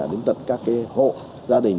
đến tận các hộ gia đình